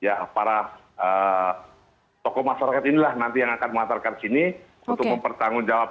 ini oke untuk mempertanggungjakan masyarakat yang sudah diperiksa dan yang akan mengantarkan ini untuk mempertanggungjakan